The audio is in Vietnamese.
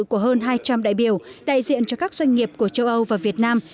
của hơn hai trăm linh đại biểu đại diện cho các doanh nghiệp của châu âu và việt nam